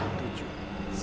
ini bentuk live